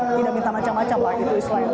tidak minta macam macam lah itu islahnya